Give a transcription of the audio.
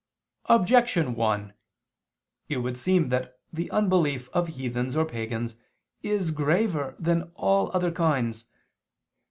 Objection 1: It would seem that the unbelief of heathens or pagans is graver than other kinds.